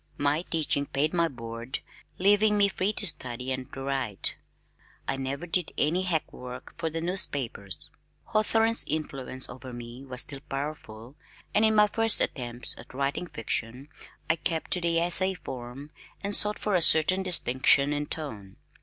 My teaching paid my board, leaving me free to study and to write. I never did any hack work for the newspapers. Hawthorne's influence over me was still powerful, and in my first attempts at writing fiction I kept to the essay form and sought for a certain distinction in tone.